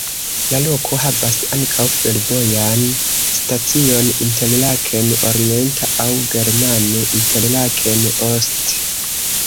La loko havas ankaŭ fervojan stacion Interlaken orienta aŭ germane "Interlaken Ost.